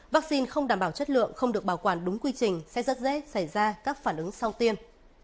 vaccine không đảm bảo chất lượng không được bảo quản đúng quy trình sẽ rất dễ xảy ra các phản ứng sau tiêm